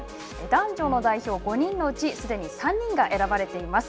男女の代表５人のうちすでに３人が選ばれています。